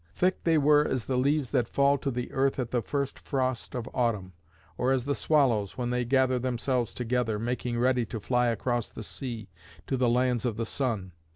Thick they were as the leaves that fall to the earth at the first frost of autumn, or as the swallows, when they gather themselves together, making ready to fly across the sea to the lands of the sun.